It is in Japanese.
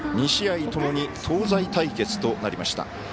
２試合ともに東西対決となりました。